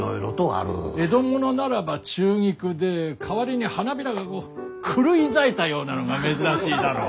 江戸ものならば中菊で代わりに花びらがこう狂い咲いたようなのが珍しいだろう。